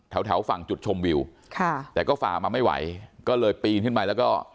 แถวแถวฝั่งจุดชมวิวค่ะแต่ก็ฝ่ามาไม่ไหวก็เลยปีนขึ้นไปแล้วก็